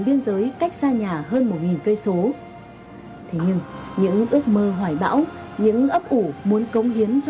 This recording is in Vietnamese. biên giới cách xa nhà hơn một cây số thế nhưng những ước mơ hoài bão những ấp ủ muốn cống hiến cho